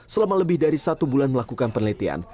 selama lebih dari satu bulan melakukan penelitian